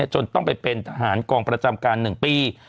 จนต้องไปเป็นทหารกองประจำการ๑ปี